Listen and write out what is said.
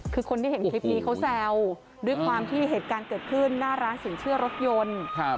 คือคนที่เห็นคลิปนี้เขาแซวด้วยความที่เหตุการณ์เกิดขึ้นหน้าร้านสินเชื่อรถยนต์